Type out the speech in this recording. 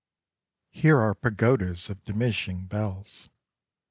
Here are pagodas of diminishing bells.